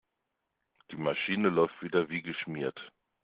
Die Maschine läuft wieder wie geschmiert.